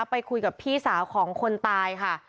ไปคุยกับพี่สาวของคนตายค่ะ